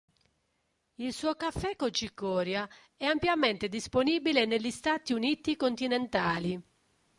Il suo caffè con cicoria è ampiamente disponibile negli Stati Uniti continentali.